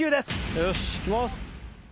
よしいきます！